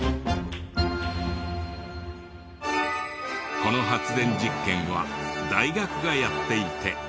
この発電実験は大学がやっていて。